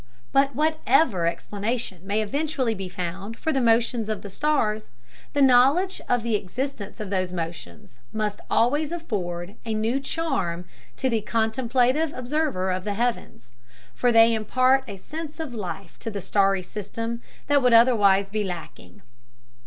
But whatever explanation may eventually be found for the motions of the stars, the knowledge of the existence of those motions must always afford a new charm to the contemplative observer of the heavens, for they impart a sense of life to the starry system that would otherwise be lacking.